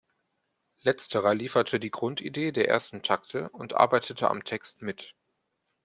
Letzterer lieferte die Grundidee der ersten Takte und arbeitete am Text mit.